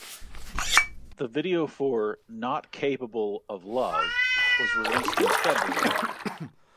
The video for "Not Capable of Love" was released in February.